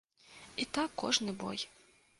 І так кожны бой.